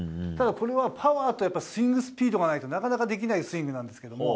ただこれはパワーとスイングスピードがないとなかなかできないスイングです。